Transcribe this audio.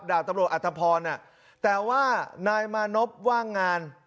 ดาบตำรวจอัตภพรแต่ว่านายมานพว่างงาน